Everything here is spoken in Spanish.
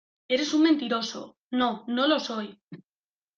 ¡ Eres un mentiroso! ¡ no, no lo soy !